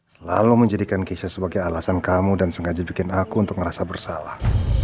selalu menjadikan kisah sebagai alasan kamu dan sengaja bikin aku untuk ngerasa bersalah